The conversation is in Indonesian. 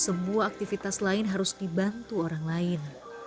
semua aktivitas lain harus dibantu orang lain